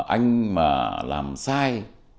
anh mà làm sai